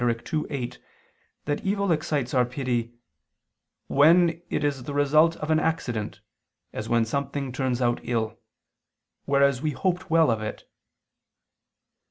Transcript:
ii, 8) that evil excites our pity "when it is the result of an accident, as when something turns out ill, whereas we hoped well of it."